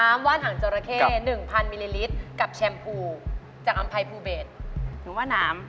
น้ำว่านหังจรเข้หนึ่งพันมิลลิลิตรกับแชมพูจากอำไพรฟูเบสหนูว่าน้ำ